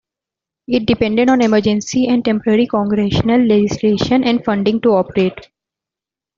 It depended on emergency and temporary Congressional legislation and funding to operate.